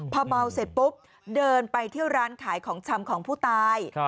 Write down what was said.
พอเมาเสร็จปุ๊บเดินไปที่ร้านขายของชำของผู้ตาย